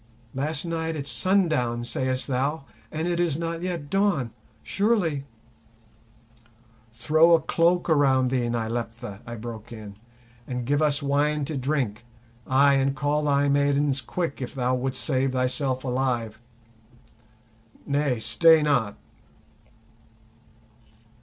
Last night at sundown, sayest thou, and it is not yet dawn? Surely—" "Throw a cloak around thee, Nyleptha," I broke in, "and give us wine to drink; ay, and call thy maidens quick if thou wouldst save thyself alive. Nay, stay not."